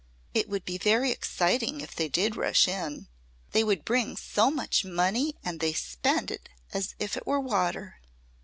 It would be very exciting if they did rush in. They would bring so much money and they spend it as if it were water.